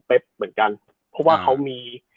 เหมือนกันเพราะว่าเขามี